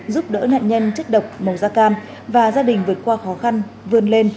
giúp đỡ nạn nhân chất độc màu da cam và gia đình vượt qua khó khăn vươn lên